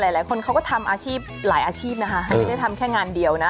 หลายคนเขาก็ทำอาชีพหลายอาชีพนะคะไม่ได้ทำแค่งานเดียวนะ